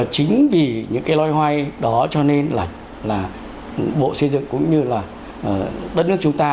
chính vì những cái loay hoay đó cho nên là bộ xây dựng cũng như là đất nước chúng ta